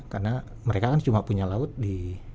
karena mereka kan cuma punya laut di